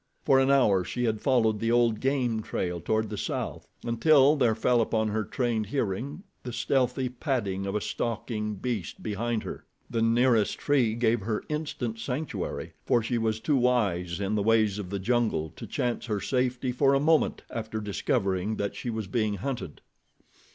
For an hour she had followed the old game trail toward the south, until there fell upon her trained hearing the stealthy padding of a stalking beast behind her. The nearest tree gave her instant sanctuary, for she was too wise in the ways of the jungle to chance her safety for a moment after discovering that she was being hunted.